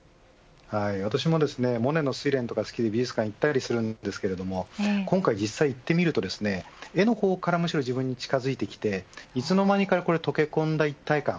私もモネの睡蓮とか好きで美術館に行ったりしますが今回、実際に行ってみると絵の方から自分に近づいてきていつの間にか溶け込んだ一体感